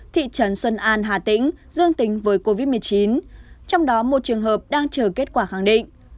thị trấn xuân an hà tĩnh dương tính với covid một mươi chín trong đó một trường hợp đang chờ kết quả khẳng định